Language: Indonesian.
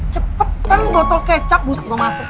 cepetan gotol kecap busa gue masuk